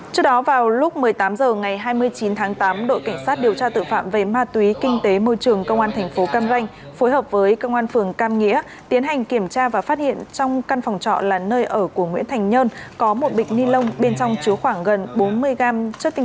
trước đó vào lúc một mươi tám h ngày hai mươi chín tháng tám đội cảnh sát điều tra tội phạm về ma túy kinh tế môi trường công an thành phố cam ranh phối hợp với công an phường cam nghĩa tiến hành kiểm tra và phát hiện trong căn phòng trọ là nơi ở của nguyễn thành nhơn có một bịch ni lông bên trong chứa khoảng gần bốn mươi g